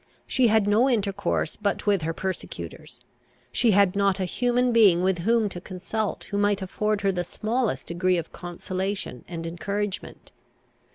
She had no intercourse but with her persecutors. She had not a human being with whom to consult, who might afford her the smallest degree of consolation and encouragement.